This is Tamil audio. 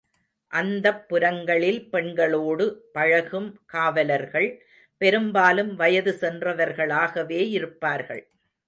அந்தப் புரங்களில் பெண்களோடு பழகும் காவலர்கள் பெரும்பாலும் வயது சென்றவர்களாகவே இருப்பார்கள்.